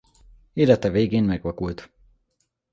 Élete végén megvakult.